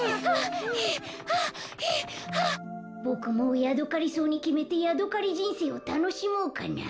ボクもうヤドカリソウにきめてヤドカリじんせいをたのしもうかな。